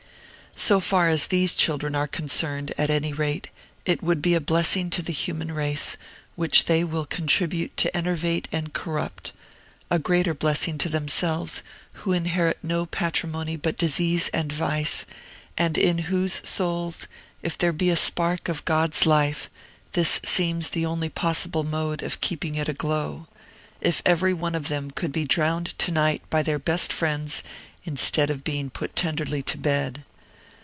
So far as these children are concerned, at any rate, it would be a blessing to the human race, which they will contribute to enervate and corrupt, a greater blessing to themselves, who inherit no patrimony but disease and vice, and in whose souls, if there be a spark of God's life, this seems the only possible mode of keeping it aglow, if every one of them could be drowned to night, by their best friends, instead of being put tenderly to bed.